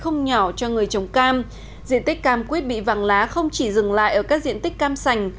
người trồng cam diện tích cam quýt bị vàng lá không chỉ dừng lại ở các diện tích cam sành